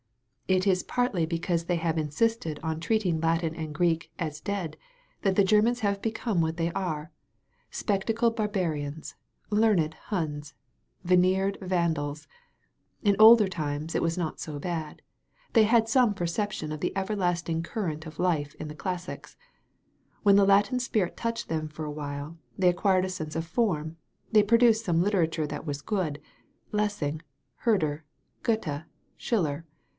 It is partly because they have insisted 188 A CLASSIC INSTANCE on treating Latin and Greek as dead that the Grer* mans have become what they are — spectacled bar barians, learned Hims, veneered Vandals. In older times it was not so bad. They had some percep* tion of the everlasting current of life in the classics* When the Latin spirit touched them for a while, they acquired a sense of form, they produced some literature that was good — Lessing, HerdCT, Goethe, Schiller.